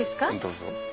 どうぞ。